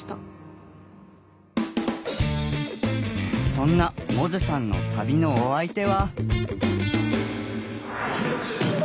そんな百舌さんの旅のお相手は。